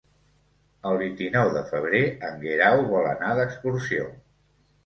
El vint-i-nou de febrer en Guerau vol anar d'excursió.